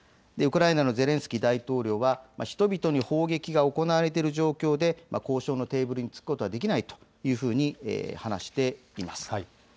ウクライナのゼレンスキー大統領は人々に砲撃が行われている状況で交渉のテーブルに着くことはできないというふうに話しています。